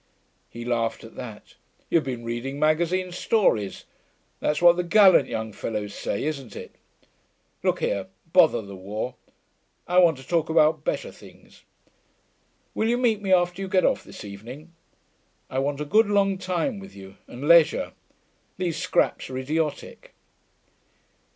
He laughed at that. 'You've been reading magazine stories. That's what the gallant young fellows say, isn't it?... Look here, bother the war. I want to talk about better things. Will you meet me after you get off this evening? I want a good long time with you, and leisure. These scraps are idiotic.'